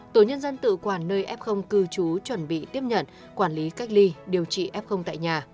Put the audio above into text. tổ nhân dân tự quản nơi f cư trú chuẩn bị tiếp nhận quản lý cách ly điều trị f tại nhà